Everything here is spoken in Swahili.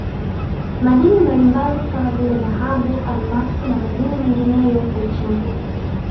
madini mbalimbali kama vile dhahabu almasi na madini mengineyo huchimbwa